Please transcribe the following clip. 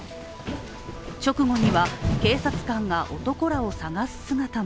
直後には、警察官が男らを探す姿も。